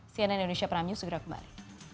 cnn indonesia prime news segera kembali